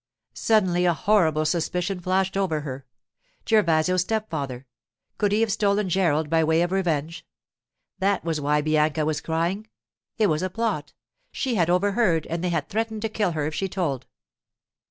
Suddenly a horrible suspicion flashed over her. Gervasio's stepfather—could he have stolen Gerald by way of revenge? That was why Bianca was crying! It was a plot. She had overheard, and they had threatened to kill her if she told.